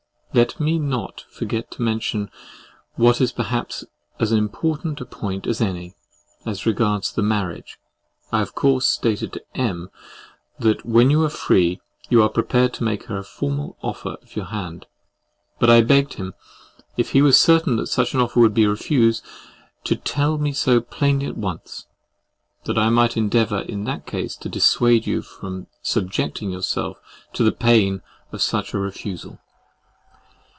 Let me not forget to mention what is perhaps as important a point as any, as it regards the marriage. I of course stated to M—— that when you are free, you are prepared to make her a formal offer of your hand; but I begged him, if he was certain that such an offer would be refused, to tell me so plainly at once, that I might endeavour, in that case, to dissuade you from subjecting yourself to the pain of such a refusal.